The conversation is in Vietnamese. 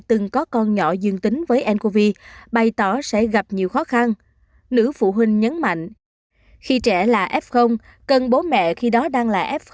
từng có con nhỏ dương tính với ncov bày tỏ sẽ gặp nhiều khó khăn